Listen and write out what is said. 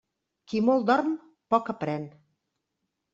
Qui molt dorm, poc aprén.